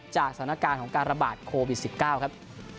สถานการณ์ของการระบาดโควิด๑๙ครับ